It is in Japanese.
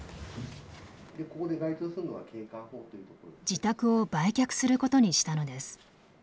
自宅を売却することにしたのです。